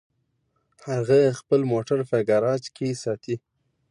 هغه خپل موټر په ګراج کې ساتي